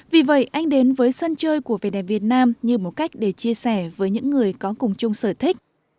vì vậy anh đến với sân chơi của vnvn như một cách để chia sẻ với những người có cùng chung sở thích